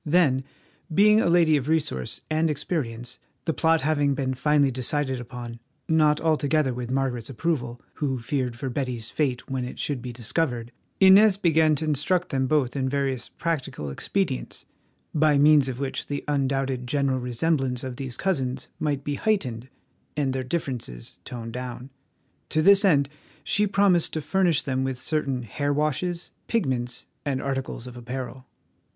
Then, being a lady of resource and experience, the plot having been finally decided upon, not altogether with Margaret's approval, who feared for Betty's fate when it should be discovered, Inez began to instruct them both in various practical expedients, by means of which the undoubted general resemblance of these cousins might be heightened and their differences toned down. To this end she promised to furnish them with certain hair washes, pigments, and articles of apparel.